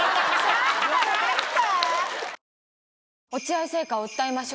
ちょっと待って！